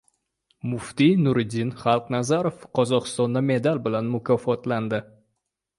Muftiy Nuriddin Xoliqnazarov Qozog‘istonda medal bilan mukofotlandi